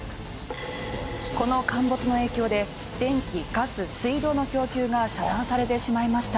この陥没の影響で電気・ガス・水道の供給が遮断されてしまいました。